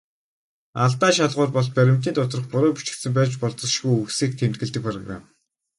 Алдаа шалгуур бол баримтын доторх буруу бичигдсэн байж болзошгүй үгсийг тэмдэглэдэг программ.